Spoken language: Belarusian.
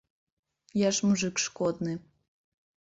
Я ж мужык шкодны.